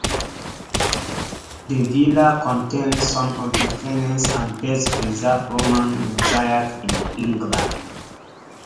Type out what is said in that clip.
The villa contains some of the finest and best preserved Roman mosaics in England.